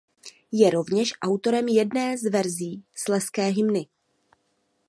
Je rovněž autorem jedné z verzí Slezské hymny.